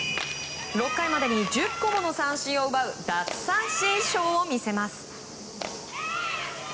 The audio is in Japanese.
６回までに１０個もの三振を奪う奪三振ショーを見せます。